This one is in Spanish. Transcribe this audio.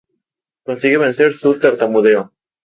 Consigue vencer su tartamudeo.